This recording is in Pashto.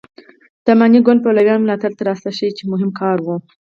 د اماني ګوند پلویانو ملاتړ تر لاسه شي چې مهم کار و.